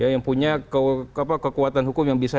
yang punya kekuatan hukum yang bisa